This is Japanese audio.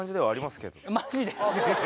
マジで？